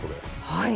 はい。